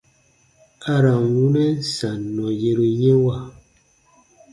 A ra n wunɛn sannɔ yeru yɛ̃wa.